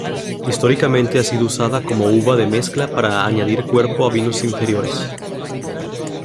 Históricamente ha sido usada como uva de mezcla para añadir cuerpo a vinos inferiores.